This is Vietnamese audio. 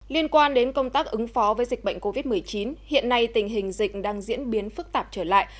liên quan đến công tác ứng phó với dịch bệnh covid một mươi chín hiện nay tình hình dịch đang diễn biến phức tạp trở lại